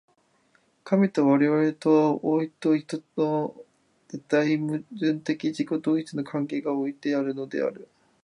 神と我々とは、多と一との絶対矛盾的自己同一の関係においてあるのである。